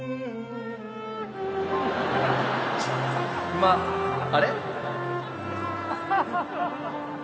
今あれ？